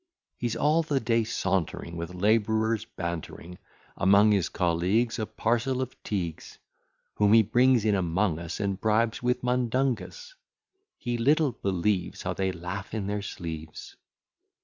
He's all the day sauntering, With labourers bantering, Among his colleagues, A parcel of Teagues, Whom he brings in among us And bribes with mundungus. [He little believes How they laugh in their sleeves.